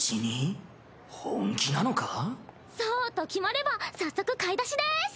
そうと決まれば早速買い出しです。